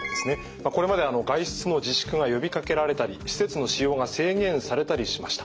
これまでは外出の自粛が呼びかけられたり施設の使用が制限されたりしました。